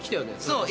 そう。